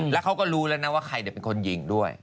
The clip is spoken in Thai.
แล้วเขาก็รู้แล้วนะว่าใครเป็นคนยิงด้วย